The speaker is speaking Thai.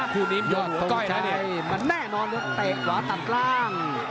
คู่นิ้มยอดธงชัยมันแน่นอนเดี๋ยวเตะขวาต่างกลาง